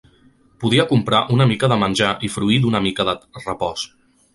Podia comprar una mica de menjar i fruir d'una mica de repòs